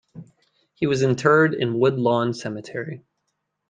He was interred in Woodlawn Cemetery.